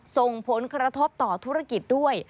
ส่งผลกระทบต่อธุรกิจด้วย